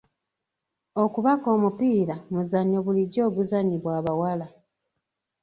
Okubaka omupiira muzannyo bulijjo oguzannyibwa abawala.